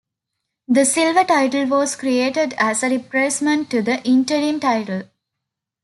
The Silver title was created as a replacement to the interim title.